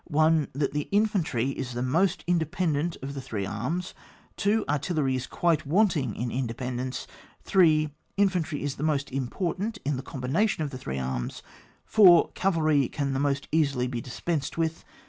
1. That infantry is the most independ< ent of the three arms. 2. Artillery is quite wanting in inde pendence. 3. Infantry is the most important in the combination of the three arms. 4. Cavalry can the most easily be dis pensed with.